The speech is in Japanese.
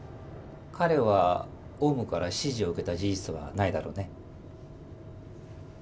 彼はオウムから指示を受けた事実はないだろうね？